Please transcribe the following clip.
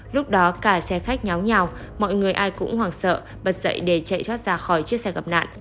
lúc đó cả xe khách nháo nhào mọi người ai cũng hoảng sợ bật dậy để chạy thoát ra khỏi chiếc xe gặp nạn